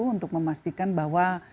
untuk memastikan bahwa